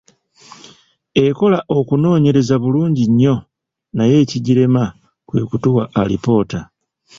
Ekola okunoonyereza bulungi nnyo, naye ekigirema kwe kutuwa alipoota.